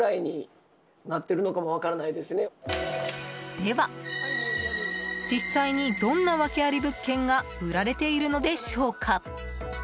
では、実際にどんなワケあり物件が売られているのでしょうか。